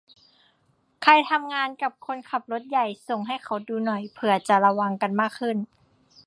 ใครทำงานกับคนขับรถใหญ่ ส่งให้เขาดูหน่อย เผื่อจะระวังกันมากขึ้น